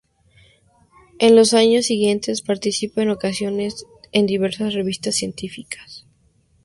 En los años siguientes participa en ocasiones en diversas revistas científicas.